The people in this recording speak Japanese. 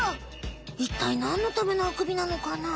いったい何のためのあくびなのかな？